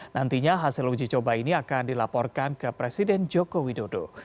nantinya hasil uji coba ini akan dilaporkan ke presiden joko widodo